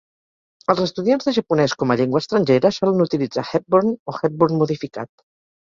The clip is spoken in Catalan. Els estudiants de japonès com a llengua estrangera solen utilitzar Hepburn o Hepburn modificat.